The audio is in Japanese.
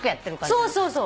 そうそうそう。